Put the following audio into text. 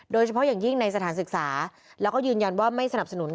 โดยเฉพาะอย่างยิ่งในสถานศึกษาแล้วก็ยืนยันว่าไม่สนับสนุน